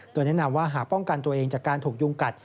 โดยแนะนำว่าหากป้องกันตัวเองจากการถูกยุงกัด